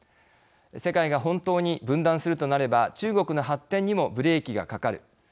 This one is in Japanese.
世界が本当に分断するとなれば中国の発展にもブレーキがかかる。